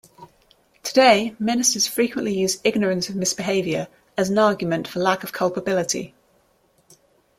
Today ministers frequently use ignorance of misbehaviour as an argument for lack of culpability.